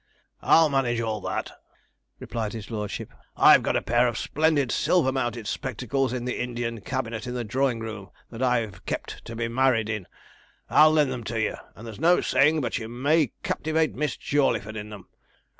'I'll manage all that,' replied his lordship; 'I've got a pair of splendid silver mounted spectacles in the Indian cabinet in the drawing room, that I've kept to be married in. I'll lend them to you, and there's no saying but you may captivate Miss Jawleyford in them.